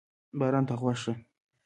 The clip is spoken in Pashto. باران ته غوږ شه.